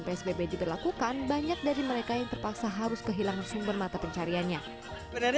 psbb diberlakukan banyak dari mereka yang terpaksa harus kehilangan sumber mata pencariannya benar benar